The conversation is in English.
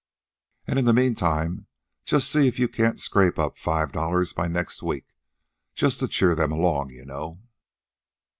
And in the meantime just see if you can't scrape up five dollars by next week just to cheer them along, you know."